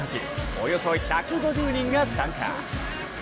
およそ１５０人が参加。